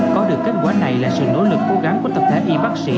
có được kết quả này là sự nỗ lực cố gắng của tập thể y bác sĩ